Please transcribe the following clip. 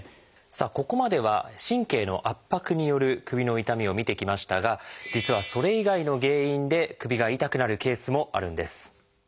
さあここまでは神経の圧迫による首の痛みを見てきましたが実はそれ以外の原因で首が痛くなるケースもあるんです。